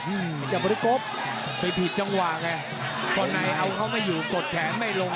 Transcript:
เจ้าบริกบไปผิดจังหวะไงเพราะในเอาเขาไม่อยู่กดแขนไม่ลง